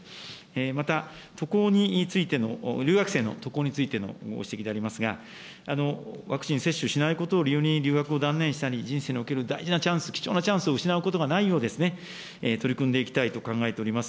また渡航についての、留学生の渡航についてのご指摘でありますが、ワクチン接種しないことを理由に留学を断念したり、人生における大事なチャンス、貴重なチャンスを失うことがないよう、取り組んでいきたいと考えております。